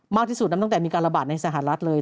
มากที่สุดนั้นตั้งแต่มีการระบาดในสหรัฐเลย